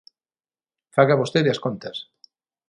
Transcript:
Faga vostede as contas.